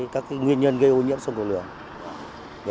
các nguyên nhân gây ô nhiễm sông đầu nường